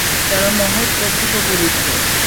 যারা মহৎ ও পূতপবিত্র।